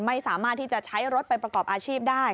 ไม่สามารถที่จะใช้รถไปประกอบอาชีพได้